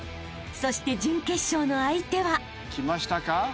［そして準決勝の相手は］きましたか？